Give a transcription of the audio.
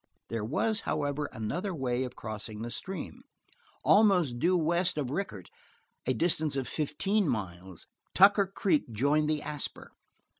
There was, however, another way of crossing the stream. Almost due west of Rickett, a distance of fifteen miles, Tucker Creek joined the Asper.